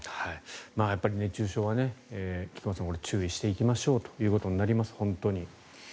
やっぱり熱中症は菊間さん、注意していきましょうということになります。